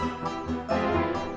tunggu aku mau ke toilet